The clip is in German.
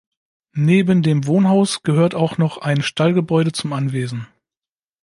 Neben dem Wohnhaus gehört auch noch ein Stallgebäude zum Anwesen.